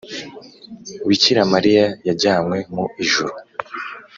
bikira mariya yajyanywe mu ijuru,